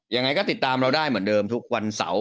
ยังไงก็ติดตามเราได้เหมือนเดิมทุกวันเสาร์